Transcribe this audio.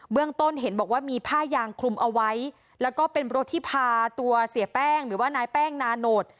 ต้นเห็นบอกว่ามีผ้ายางคลุมเอาไว้แล้วก็เป็นรถที่พาตัวเสียแป้งหรือว่านายแป้งนาโนต